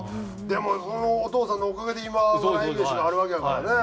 でもそのお父さんのおかげで今笑い飯があるわけやからね。